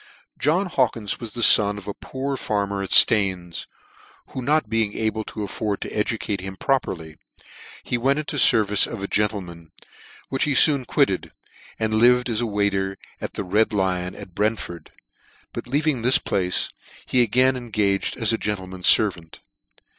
JOHN HAWKINS was the fon of a poor farmer at Staines, who not being able to afford to educate him properly, he went into the fervice of a gen tleman, which he foon quitted, and lived as a waiter at the Red Lion at Brentford ; but leaving this place, he again engaged as a gentleman's fervant.